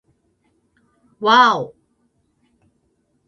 わぁお